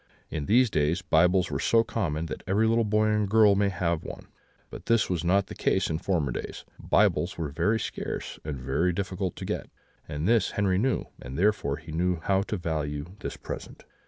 In these days, Bibles are so common that every little boy and girl may have one; but this was not the case in former days; Bibles were very scarce and very difficult to get; and this Henri knew, and therefore he knew how to value this present.